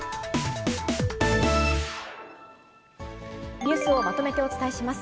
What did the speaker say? ニュースをまとめてお伝えします。